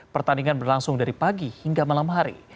pertandingan berlangsung dari pagi hingga malam hari